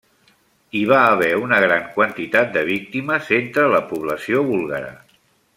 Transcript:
Hi va haver una gran quantitat de víctimes entre la població búlgara.